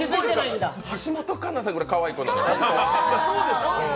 橋本環奈さんぐらいかわいい子なのよ。